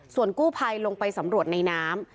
ส่วนกู้ภัยลงไปสำรวจในน้ำ